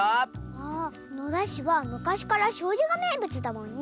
ああ野田市はむかしからしょうゆがめいぶつだもんね。